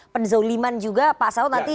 penzoliman juga pak saud nanti